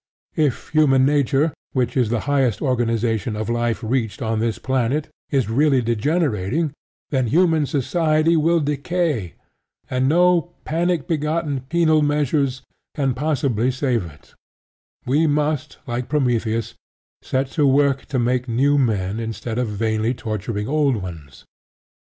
If human nature, which is the highest organization of life reached on this planet, is really degenerating, then human society will decay; and no panic begotten penal measures can possibly save it: we must, like Prometheus, set to work to make new men instead of vainly torturing old ones.